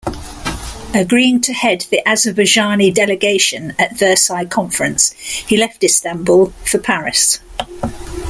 Agreeing to head the Azerbaijani Delegation at Versailles Conference, he left Istanbul for Paris.